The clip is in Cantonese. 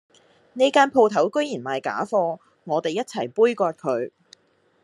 呢間舖頭居然賣假貨我哋一齊杯葛佢